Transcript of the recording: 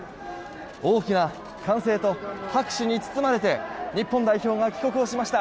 大きな歓声を拍手に包まれて日本代表が帰国をしました。